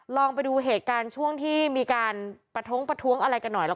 ลองไปดูเหตุการณ์ช่วงที่มีการประท้วงประท้วงอะไรกันหน่อย